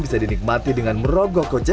bisa dinikmati dengan merogoh kocek